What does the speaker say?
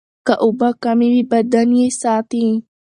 که اوبه کمې وي، بدن یې ساتي.